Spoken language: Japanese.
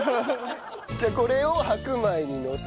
じゃあこれを白米にのせて。